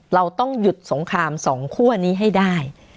เราต้องหยุดสงคราม๒คั่วนี้ให้ได้